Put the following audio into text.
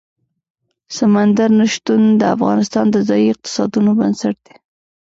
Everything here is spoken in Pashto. سمندر نه شتون د افغانستان د ځایي اقتصادونو بنسټ دی.